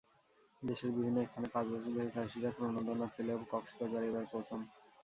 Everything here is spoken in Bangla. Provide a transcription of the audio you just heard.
দেশের বিভিন্ন স্থানে পাঁচ বছর ধরে চাষিরা প্রণোদনা পেলেও কক্সবাজারে এবার প্রথম।